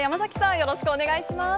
よろしくお願いします。